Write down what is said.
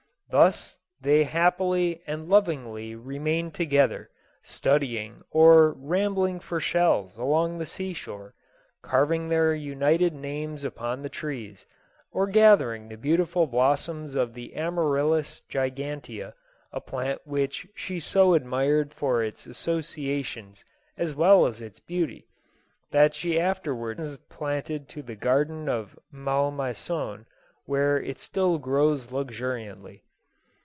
Thus they happily and lovingly remained together, studying, or rambling for shells along the sea shore, carving their united names upon the trees, or gathering the beautiful blossoms of the amaryllis gigantea, a plant which she so admired for its associations as well as its beauty, that she after 224: JOSEPHINE. wards caused it to be transplanted to the garden of Malmaison, where it still grows luxuriantly.